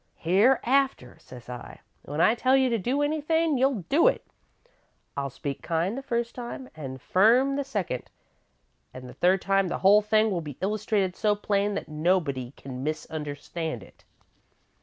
'Hereafter,' says I, 'when I tell you to do anythin', you'll do it. I'll speak kind the first time an' firm the second, and the third time the whole thing will be illustrated so plain that nobody can't misunderstand it.